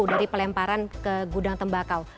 dari pelemparan ke gudang tembakau